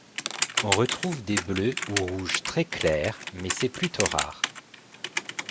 On retrouve des bleus ou rouges très clairs, mais c'est plutôt rare.